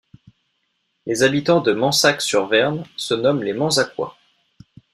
Les habitants de Manzac-sur-Vern se nomment les Manzacois.